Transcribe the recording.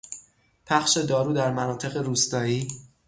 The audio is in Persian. پخش دارو در مناطق روستایی